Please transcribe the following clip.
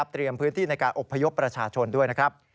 พื้นที่ในการอบพยพประชาชนด้วยนะครับ